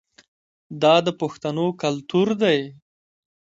دا د پښتنو کلتور دی.